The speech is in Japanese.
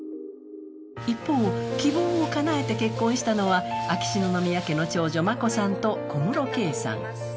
一方、希望をかなえて結婚したのは秋篠宮家の長女・眞子さんと小室圭さん。